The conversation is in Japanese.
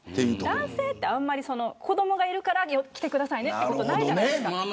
男性ってあんまり子どもがいるから来てくださいということないじゃないですか。